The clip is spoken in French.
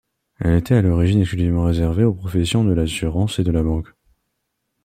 Elle était à l'origine exclusivement réservée aux professions de l'assurance et de la banque.